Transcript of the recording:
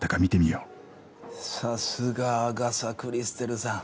さすがアガサ・クリステルさん。